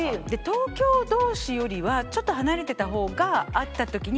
東京同士よりはちょっと離れてた方が会った時に。